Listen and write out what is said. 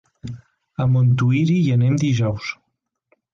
A Montuïri hi anem dijous.